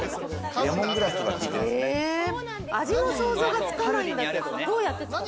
味の想像がつかないんですけれども。